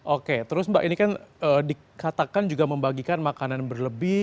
oke terus mbak ini kan dikatakan juga membagikan makanan berlebih